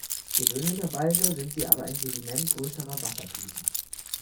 Gewöhnlicherweise sind sie aber ein Sediment größerer Wassertiefen.